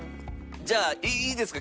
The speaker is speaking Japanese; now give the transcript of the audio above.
じゃあいいですか？